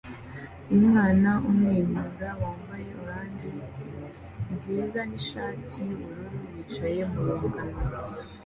Umwana umwenyura wambaye orange nziza nishati yubururu yicaye murungano